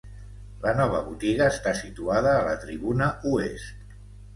La nova botiga està situada a la tribuna oest.